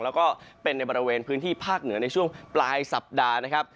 แล้วก็เป็นในบริเวณพื้นที่ภาคเหนือในช่วงปลายสัปดาห์นะครับ